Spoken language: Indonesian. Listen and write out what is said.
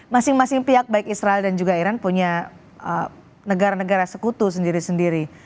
masing masing pihak baik israel dan juga iran punya negara negara sekutu sendiri sendiri